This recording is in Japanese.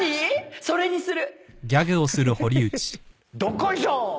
それにする。